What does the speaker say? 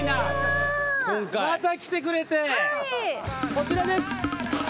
こちらです。